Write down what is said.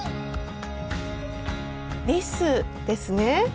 リスですね。